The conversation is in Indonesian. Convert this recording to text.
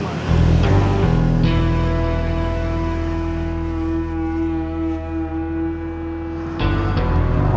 ini yang dia beratkan